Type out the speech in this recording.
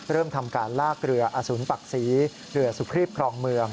เริ่มทำการลากเรืออสุนปักศรีเรือสุครีบครองเมือง